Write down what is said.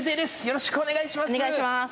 よろしくお願いします